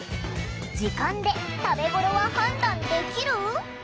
時間で食べごろは判断できる？